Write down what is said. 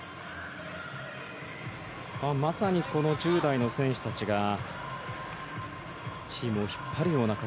まさにこの１０代の選手たちがチームを引っ張るような形。